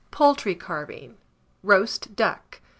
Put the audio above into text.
POULTRY CARVING. ROAST DUCK.